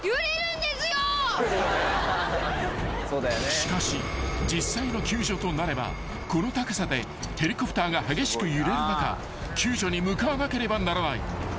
［しかし実際の救助となればこの高さでヘリコプターが激しく揺れる中救助に向かわなければならない］